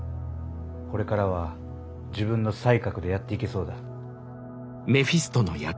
これからは自分の才覚でやっていけそうだ。